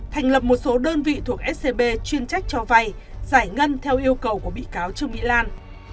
thành lập một số đơn vị thuộc scb chuyên trách cho vay giải ngân theo yêu cầu của bị cáo trương mỹ lan